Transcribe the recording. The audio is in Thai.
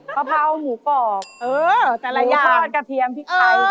พะพร้าวหมูกรอบหมูทอดกระเทียมพริกไก่แต่ละอย่างเออ